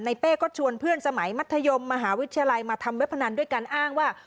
เป้ก็ชวนเพื่อนสมัยมัธยมมหาวิทยาลัยมาทำเว็บพนันด้วยการอ้างว่า